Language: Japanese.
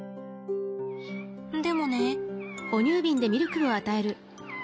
でもね。